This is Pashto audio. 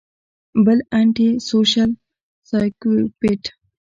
بل انټي سوشل سايکوپېت